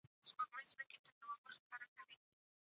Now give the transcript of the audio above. آزاد تجارت مهم دی ځکه چې درمل رسوي.